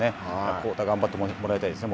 宏太、頑張ってもらいたいですね